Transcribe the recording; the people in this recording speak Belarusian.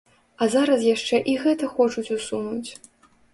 А зараз яшчэ і гэта хочуць усунуць.